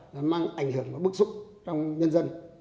là mang ảnh hưởng và bức xúc trong nhân dân